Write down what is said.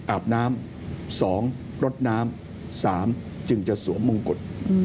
อาบน้ำ๒รดน้ำ๓จึงจะสวมมงกุฎ